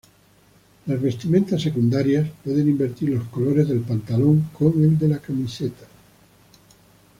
Las vestimentas secundarias puede invertir los colores del pantalón con el de la camiseta.